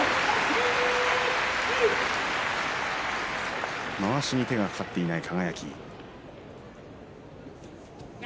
拍手まわしに手が掛かっていない輝。